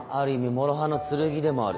もろ刃の剣でもある。